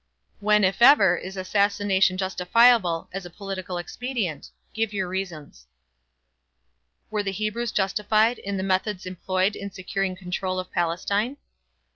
When, if ever, is assassination justifiable as a political expedient? Give your reasons. Were the Hebrews justified in the methods employed in securing control of Palestine?